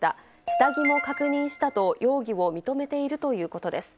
下着も確認したと、容疑を認めているということです。